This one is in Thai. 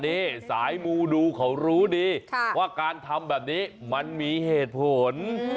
นี่สายมูดูเขารู้ดีว่าการทำแบบนี้มันมีเหตุผล